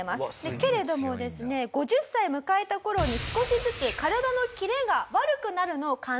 けれどもですね５０歳迎えた頃に少しずつ体のキレが悪くなるのを感じ始めました。